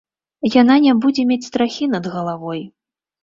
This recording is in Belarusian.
Яна не будзе мець страхі над галавой.